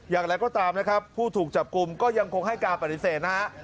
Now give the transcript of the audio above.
อย่างไรก็ตามนะครับผู้ถูกจับกลุ่มก็ยังคงให้การปฏิเสธนะฮะ